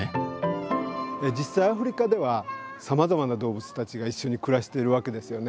実際アフリカではさまざまな動物たちがいっしょに暮らしているわけですよね。